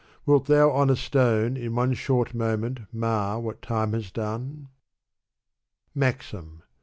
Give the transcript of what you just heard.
— Wilt thou on a stone In one short moment mar what time has done? MAXIM.